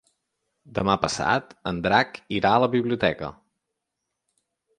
Demà passat en Drac irà a la biblioteca.